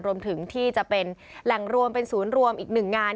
รวมถึงที่จะเป็นแหล่งรวมเป็นศูนย์รวมอีกหนึ่งงาน